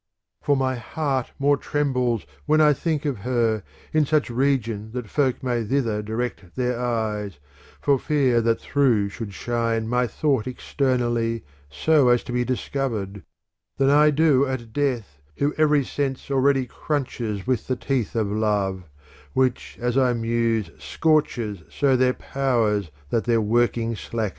srV III For my heart more trembles when I think of her, in such region that folk may thither direct their eyes, for fear that through should shine my thought externally so as to be discovered, Than I do at death, who every sense already crunches with the teeth of love : which as I muse scorches so their "^ powers that their working slackens.